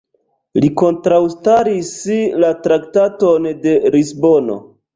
Li kontraŭstaris la Traktaton de Lisbono.